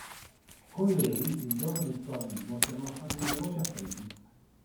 Con lei, il giorno del suo arrivo, c'erano stati numerosi attriti.